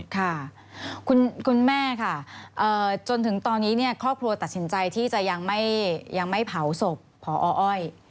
ค่ะคุณแม่ค่ะจนถึงตอนนี้ครอบครัวตัดสินใจที่จะยังไม่เผาศพพออ้อย